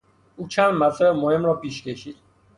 او چند مطلب مهم را پیش کشید.